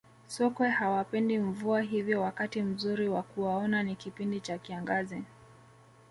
sokwe hawapendi mvua hivyo wakati mzuri wa kuwaona ni kipindi cha kiangazi